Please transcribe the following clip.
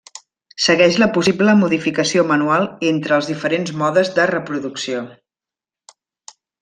Segueix la possible modificació manual entre els diferents modes de reproducció.